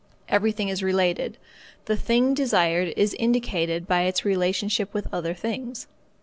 Everything is related. The thing desired is indicated by its relationship with other things.